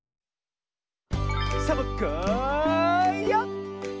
サボ子よ！